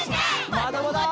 まだまだ！